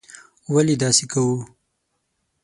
ولې داسې کوو.